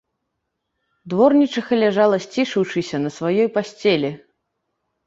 Дворнічыха ляжала, сцішыўшыся на сваёй пасцелі.